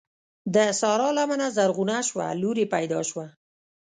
د سارا لمنه زرغونه شوه؛ لور يې پیدا شوه.